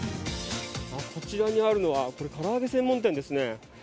こちらにあるのはから揚げ専門店ですね。